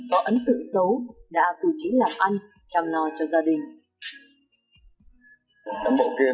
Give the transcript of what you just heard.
có ấn tượng xấu đã tù trí làm ăn chăm lo cho gia đình